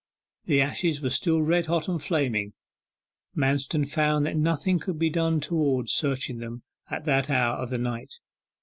The ashes were still red hot and flaming. Manston found that nothing could be done towards searching them at that hour of the night.